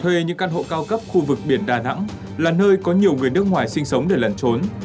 thuê những căn hộ cao cấp khu vực biển đà nẵng là nơi có nhiều người nước ngoài sinh sống để lẩn trốn